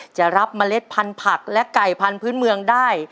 จะรับเมล็ดพันธุ์ผักและไก่พันธุ์เมืองได้